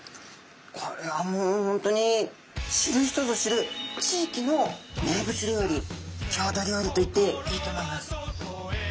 これはもう本当に知る人ぞ知る地域の名物料理郷土料理と言っていいと思います。